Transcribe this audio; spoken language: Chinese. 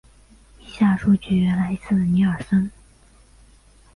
以下数据来自尼尔森。